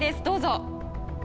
どうぞ。